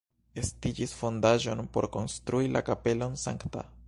Estiĝis fondaĵon por konstrui la kapelon Sankta.